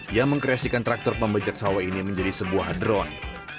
yang mengkreasikan traktor pembajak sawah ini menjadi sebuah drone